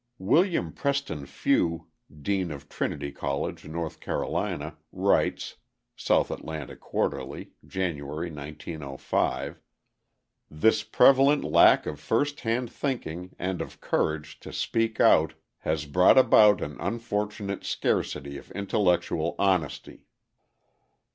William Preston Few, dean of Trinity College, North Carolina, writes (South Atlantic Quarterly, January, 1905): "This prevalent lack of first hand thinking and of courage to speak out has brought about an unfortunate scarcity of intellectual honesty."